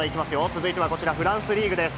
続いてはこちら、フランスリーグです。